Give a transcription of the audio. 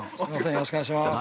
よろしくお願いします